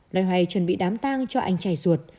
lời hoài chuẩn bị đám tang cho anh chài ruột